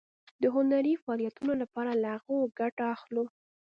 د هنري فعالیتونو لپاره له هغو ګټه اخلو.